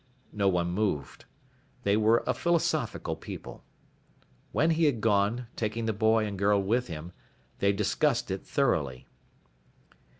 No one moved. They were a philosophical people. When he had gone, taking the boy and girl with him, they discussed it thoroughly.